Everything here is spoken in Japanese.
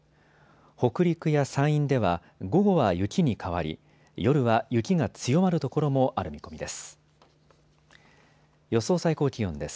北陸や山陰では午後は雪に変わり夜は雪が強まる所もある見込みです。